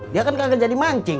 dia kan kagak jadi mancing